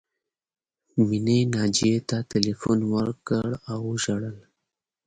مینې ناجیې ته ټیلیفون وکړ او وژړل